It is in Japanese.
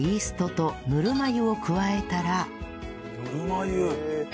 ぬるま湯？